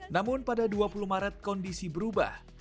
namun pada dua puluh maret kondisi berubah